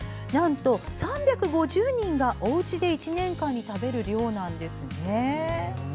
なんと３５０人が、おうちで１年間に食べる量なんですよ。